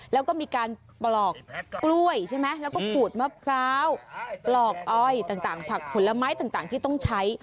แล้วก็มีการปลอกกล้วยใช่ไหมแล้วก็ขูดมะพร้าวปลอกอ้อยต่างผักผลไม้ต่างที่ต้องใช้